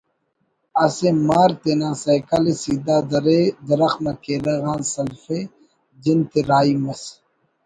اسے مار تینا سیکل ءِ سیدھا درے درخت نا کیرغ آن سلفے جندتے راہی مس